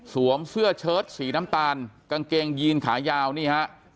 เสื้อเชิดสีน้ำตาลกางเกงยีนขายาวนี่ฮะ